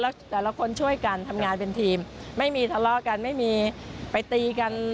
แล้วแต่ละคนช่วยกันทำงานเป็นทีมไม่มีทะเลาะกันไม่มีไปตีกัน